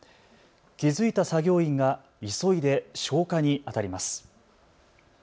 気付いた作業員が急いで消火にあたります。